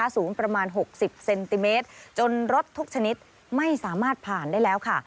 สูงประมาณ๖๐เซนติเมตรจนรถทุกชนิดไม่สามารถผ่านได้แล้วค่ะ